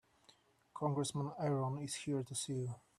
Congressman Aaron is here to see you.